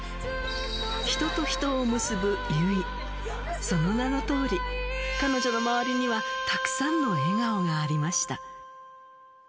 人と人を結ぶ優生、その名のとおり、彼女の周りにはたくさんの笑顔がありました。